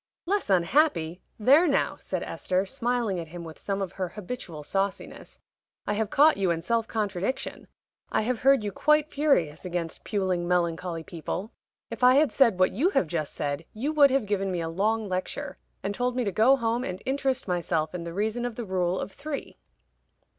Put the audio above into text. "Less unhappy! There now!" said Esther, smiling at him with some of her habitual sauciness, "I have caught you in self contradiction. I have heard you quite furious against puling, melancholy people. If I had said what you have just said, you would have given me a long lecture, and told me to go home and interest myself in the reason of the rule of three."